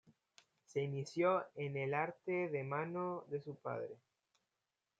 Se inició en el arte de mano de su padre.